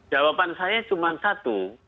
jawaban saya cuma satu